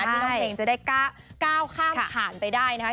ที่น้องเพลงจะได้ก้าวข้ามผ่านไปได้นะคะ